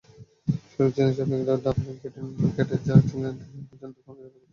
শরিফ ছিলেন সাবেক Dufferin cadet, যিনি ছিলেন আবার একজন দূরপাল্লা যোগাযোগ বিশেষজ্ঞ।